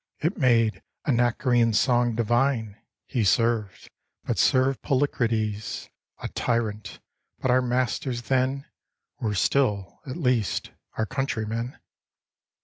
It made Anacreon's song divine; He served — but served Polycrates — A tyrant; but our masters then Were still, at least, our countrymen.